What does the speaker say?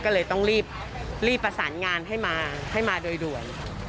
ก็เลยต้องรีบประสานงานให้มาให้มาโดยด่วน